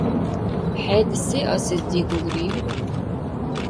ХӀед се асес дигулрив?